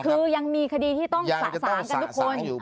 คือยังมีคดีที่ต้องสะสางกันทุกคน